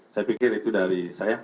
saya pikir itu dari saya